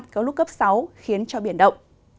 có lúc cấp sáu khiến cho biển động